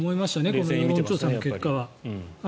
この世論調査の結果は。